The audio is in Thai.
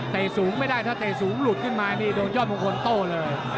ถ้าเตะสูงหลุดขึ้นมาไม่ได้โดนยอดมงคลโต้เลย